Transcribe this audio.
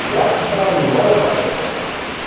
یکدم نانو پاشئیتائے